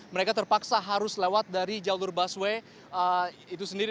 mereka terpaksa harus lewat dari jalur busway itu sendiri